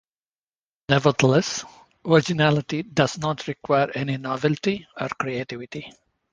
Nevertheless, originality does not require any novelty or creativity.